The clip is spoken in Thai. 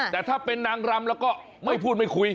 แต่ถ้าเป็นนางรำแล้วก็ไม่พูดไม่คุย